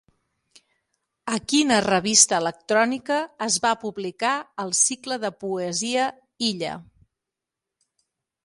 A quina revista electrònica es va publicar el cicle de poesia Illa?